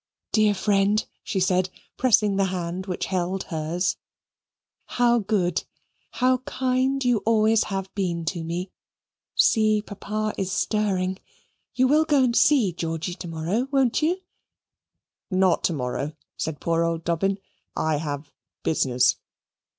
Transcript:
"Dear friend," she said, pressing the hand which held hers, "how good, how kind you always have been to me! See! Papa is stirring. You will go and see Georgy tomorrow, won't you?" "Not to morrow," said poor old Dobbin. "I have business."